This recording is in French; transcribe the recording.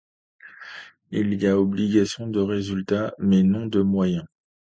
Il y a obligation de résultat mais non de moyens.